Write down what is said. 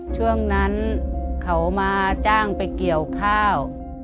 ช่วงนั้นเขามาจ้างไปเกี่ยวข้าว